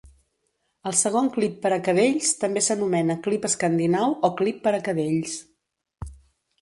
El segon clip per a cadells també s'anomena clip escandinau o clip per a cadells.